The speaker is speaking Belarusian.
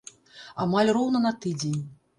Амаль роўна на тыдзень.